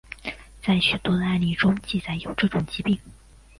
在许多的案例中记载有这种疾病。